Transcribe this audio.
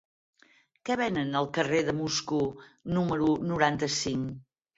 Què venen al carrer de Moscou número noranta-cinc?